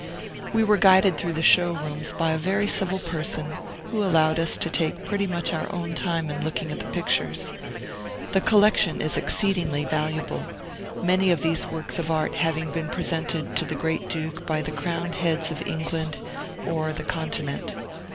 We were guided through the show rooms by a very civil person, who allowed us to take pretty much our own time in looking at the pictures. The collection is exceedingly valuable, many of these works of Art having been presented to the Great Duke by the crowned heads of England or the Continent.